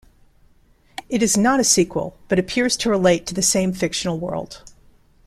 It is not a sequel but appears to relate to the same fictional world.